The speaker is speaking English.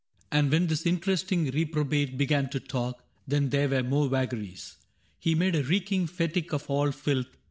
And when this interesting reprobate Began to talk — then there were more vagaries : He made a reeking fetich of all filth.